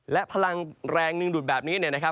และพลังแรงดึงดูดแบบนี้เนี่ยนะครับ